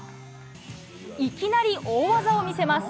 いきなり大技を見せます。